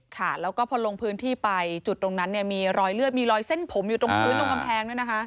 ค่ะแล้วก็พอลงพื้นที่ไปจุดตรงนั้นเนี่ยมีรอยเลือดมีรอยเส้นผมอยู่ตรงพื้นตรงกำแพงด้วยนะคะ